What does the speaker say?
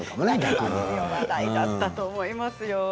話題になったと思いますよ。